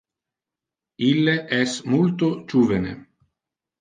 Ille es multo juvene.